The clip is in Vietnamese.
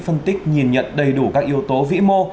phân tích nhìn nhận đầy đủ các yếu tố vĩ mô